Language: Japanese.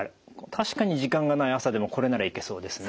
確かに時間がない朝でもこれならいけそうですね。